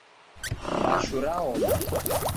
Mbashu raoma